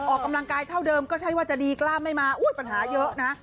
ออกกำลังกายเท่าเดิมก็ใช่ว่าจะดีกล้ามไม่มาอุ๊ยปัญหาเยอะนะ